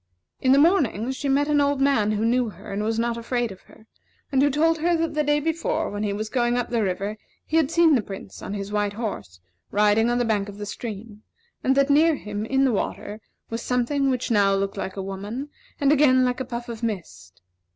In the morning, she met an old man who knew her, and was not afraid of her, and who told her that the day before, when he was up the river, he had seen the Prince on his white horse, riding on the bank of the stream; and that near him, in the water, was something which now looked like a woman, and again like a puff of mist.